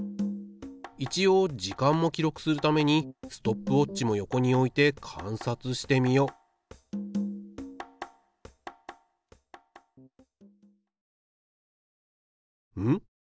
一応時間も記録するためにストップウォッチも横に置いて観察してみよううん？